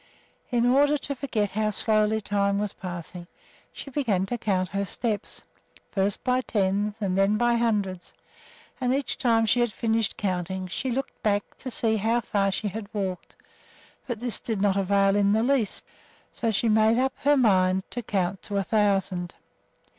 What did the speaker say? In order to forget how slowly time was passing, she began to count her steps, first by tens and then by hundreds, and each time she had finished counting, she looked back to see how far she had walked; but this did not avail in the least, so she made up her mind to count to a thousand.